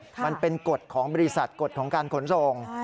มันเป็นกฎของบริษัทกฎของการขนส่ง